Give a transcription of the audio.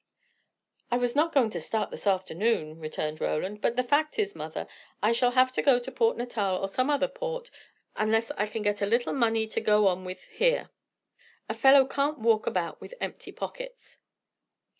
"I was not going to start this afternoon," returned Roland. "But the fact is, mother, I shall have to go to Port Natal, or to some other port, unless I can get a little money to go on with here. A fellow can't walk about with empty pockets."